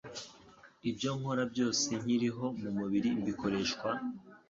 Ibyo nkora byose nkiriho mu mubiri mbikoreshwa